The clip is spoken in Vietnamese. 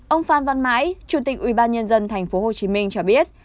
ông phan văn mãi chủ tịch ubnd tp hcm cho biết